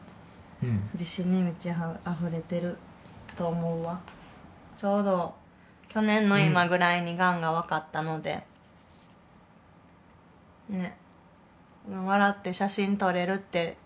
うん自信に満ちあふれてると思うわちょうど去年の今ぐらいにがんが分かったのでねっ笑って写真撮れるって当時は思ってなかったから